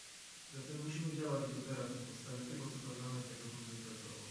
Zatem musimy działać, i to teraz, na podstawie tego, co Parlament jak dotąd wypracował